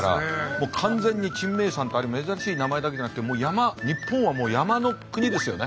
もう完全に珍名山って珍しい名前だけじゃなくて日本はもう山の国ですよね。